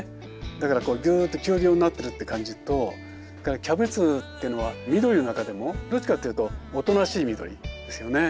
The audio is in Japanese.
だからこうぐーっと丘陵になってるって感じとそれからキャベツっていうのは緑の中でもどっちかっていうとおとなしい緑ですよね。